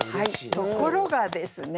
ところがですね